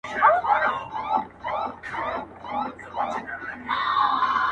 شملې، کالي، تر کليوالي ونو لاندي